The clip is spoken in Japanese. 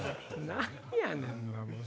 何やねんな！